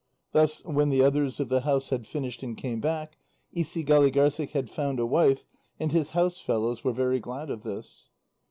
Thus when the others of the house had finished and came back, Isigâligârssik had found a wife, and his house fellows were very glad of this.